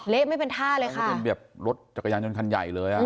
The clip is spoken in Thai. เละไม่เป็นท่าเลยค่ะ